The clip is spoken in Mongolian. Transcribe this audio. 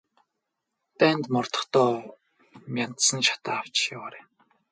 Дайнд мордохдоо мяндсан шатаа авч яваарай.